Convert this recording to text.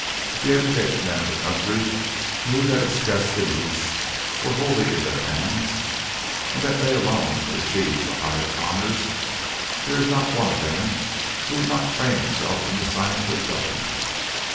If the educated men of the country knew that its destinies were wholly in their hands, and that they alone could achieve the highest honours, there is not one of them who would not train himself in the science of government.